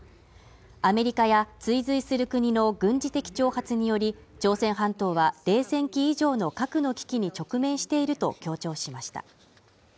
アメリカや追随する国の軍事的挑発により、朝鮮半島は冷戦期以上の核の危機に直面していると強調しました。